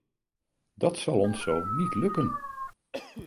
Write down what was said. Dat zal ons zo niet lukken!